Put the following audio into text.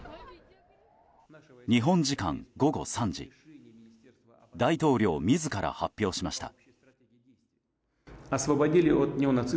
日本時間午後３時大統領自ら発表しました。